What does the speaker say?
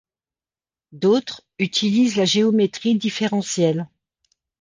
D'autres utilisent la géométrie différentielle.